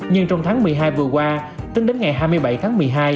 nhưng trong tháng một mươi hai vừa qua tính đến ngày hai mươi bảy tháng một mươi hai